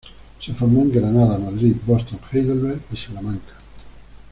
Se formó en Granada, Madrid, Boston, Heidelberg y Salamanca.